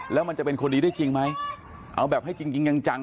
แล้วมันจะเป็นคนดีได้จริงไหมเอาแบบให้จริงจริงจัง